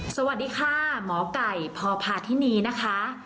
สวัสดีค่ะหมอไก่พอภาษณ์ที่นี้นะคะ